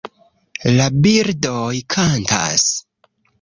La birdoj kantas